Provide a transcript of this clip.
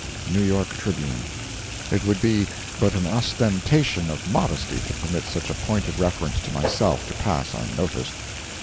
—New York Tribune. It would be but an ostentation of modesty to permit such a pointed reference to myself to pass unnoticed.